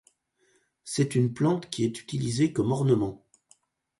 C’est une plante qui est utilisée comme ornement.